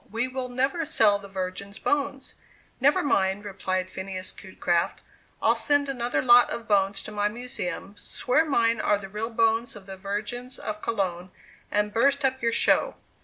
We will never sell the Virgins' bones!" "Never mind," replied Phineas Cutecraft, "I'll send another lot of bones to my Museum, swear mine are the real bones of the Virgins of Cologne, and burst up your show!"